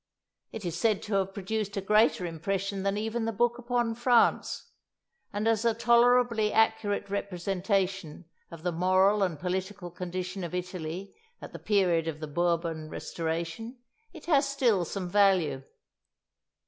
It is said to have produced a greater impression than even the book upon France; and as a tolerably accurate representation of the moral and political condition of Italy at the period of the Bourbon restoration, it has still some value.